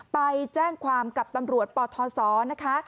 ไปแจ้งความกับตำรวจปทศนะคะ